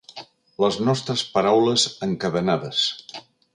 Les nostres paraules encadenades.